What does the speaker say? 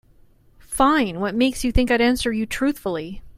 Fine, what makes you think I'd answer you truthfully?